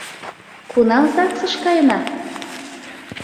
Кунам загсыш каена?